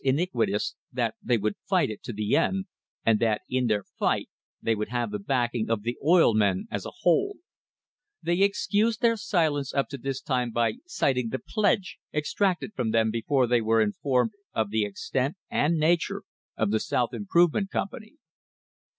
iniquitous, THE HISTORY OF THE STANDARD OIL COMPANY that they would fight it to the end, and that in their fight they would have the backing of the oil men as a whole. They excused their silence up to this time by citing the pledge * exacted from them before they were informed of the extent and nature of the South Improvement Company.